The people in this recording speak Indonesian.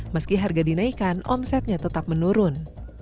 meski harga dinaikkan omsetnya tetap menurun